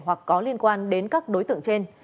hoặc có liên quan đến các đối tượng trên